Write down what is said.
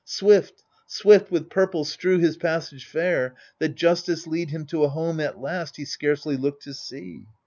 Swift, swift, with purple strew his passage fair. That justice lead him to a home, at last. He scarcely looked to see.